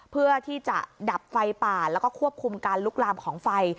เพื่อที่จะดับไฟป่าแล้วก็ควบคุมการลุกลามของไฟ